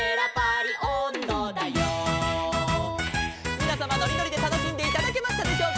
「みなさまのりのりでたのしんでいただけましたでしょうか」